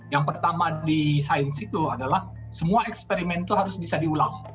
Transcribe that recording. yang pertama di sains itu adalah semua eksperimen itu harus bisa diulang